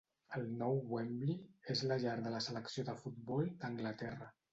El nou Wembley és la llar de la selecció de futbol d'Anglaterra.